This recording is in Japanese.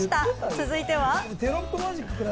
続いては。